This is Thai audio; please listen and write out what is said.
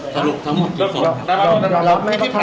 ทำเหรอครับ